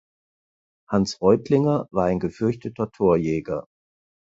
Hans Reutlinger war ein gefürchteter Torjäger.